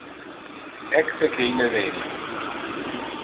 Ecce que ille veni.